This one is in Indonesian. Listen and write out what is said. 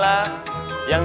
yang diberikan kepada kita